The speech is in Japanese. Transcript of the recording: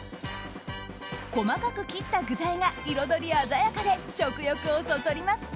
細かく切った具材が彩り鮮やかで食欲をそそります。